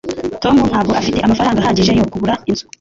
Tom ntabwo afite amafaranga ahagije yo kugura inzu.